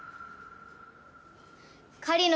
狩野